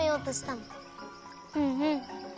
うんうん。